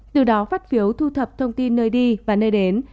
từ đó phát phiếu thu thập thông tin nơi đi và nơi đến